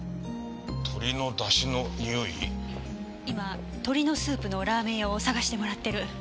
今鶏のスープのラーメン屋を探してもらってる。